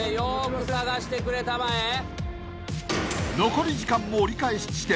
［残り時間も折り返し地点］